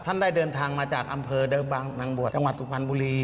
ท่านได้เดินทางมาจากอำเภอเดิมบางนางบวชจังหวัดสุพรรณบุรี